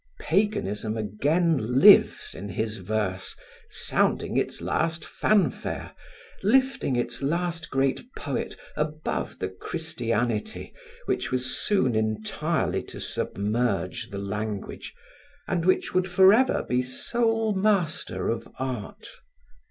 Paganism again lives in his verse, sounding its last fanfare, lifting its last great poet above the Christianity which was soon entirely to submerge the language, and which would forever be sole master of art.